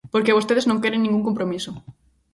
Porque vostedes non queren ningún compromiso.